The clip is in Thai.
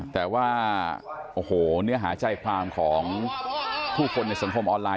แต่ว่าเนื้อหาใจภาระของผู้คนในสำคมออนไลน์